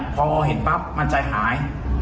พอเห็นปั๊บมันใจหาย